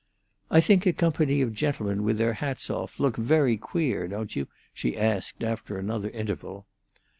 "I think a company of gentlemen with their hats off look very queer, don't you?" she asked, after another interval.